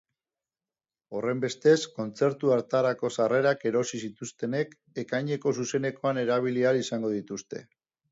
Horrenbestez, kontzertu hartarako sarrerak erosi zituztenek ekaineko zuzenekoan erabili ahal izango dituzte.